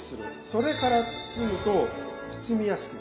それから包むと包みやすくて破れにくくなる。